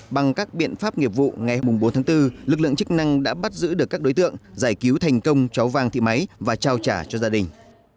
bằng các biện pháp nghiệp vụ ngày bốn tháng bốn lực lượng chức năng đã bắt giữ được các đối tượng giải cứu thành công cháu vàng thị máy và trao trả cho gia đình